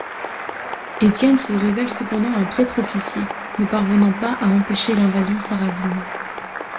Etienne se révèle cependant un piètre officier, ne parvenant pas à empêcher l’invasion sarrasine.